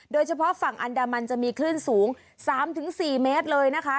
โดยเฉพาะฝั่งอันดามันจะมีคลื่นสูง๓๔เมตรเลยนะคะ